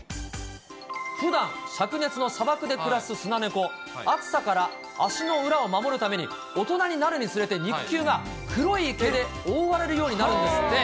ふだん、しゃく熱の砂漠で暮らすスナネコ、暑さから足の裏を守るために、大人になるにつれて、肉球が黒い毛で覆われるようになるんですって。